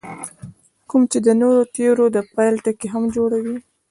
کوم چې د نورو تیوریو د پیل ټکی هم جوړوي.